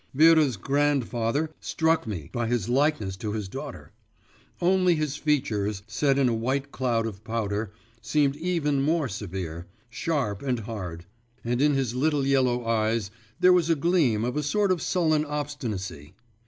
Vera's grandfather struck me by his likeness to his daughter. Only his features, set in a white cloud of powder, seemed even more severe, sharp, and hard, and in his little yellow eyes there was a gleam of a sort of sullen obstinacy.